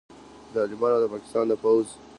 د طالبانو او د پاکستان د پوځ